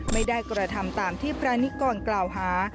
ไม่ได้กระทำตามที่พระนิกรกล่าวหา